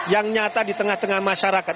yang nyata di tengah tengah masyarakat